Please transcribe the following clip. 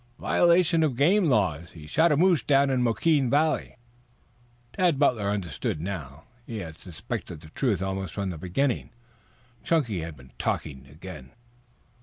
"Violation of the game laws. He shot a moose down in Moquin Valley." Tad Butler understood now. He had suspected the truth almost from the beginning. Chunky had been talking again.